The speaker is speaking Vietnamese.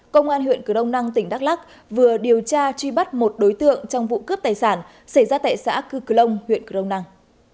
công an huyện cửa đông năng tỉnh đắk lắc vừa điều tra truy bắt một đối tượng trong vụ cướp tài sản xảy ra tại xã cư cửa lông huyện cửa đông năng